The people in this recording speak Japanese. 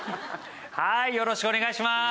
はーいよろしくお願いします！